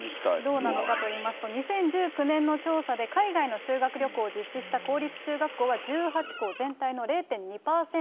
どうなのかといいますと、２０１９年の調査で、海外の修学旅行を実施した公立中学校は、１８校、全体の０．２％。